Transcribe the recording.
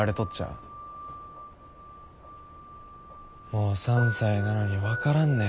もう３歳なのに分からんね。